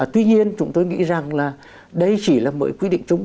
tuy nhiên chúng tôi nghĩ rằng là đây chỉ là mỗi quy định chung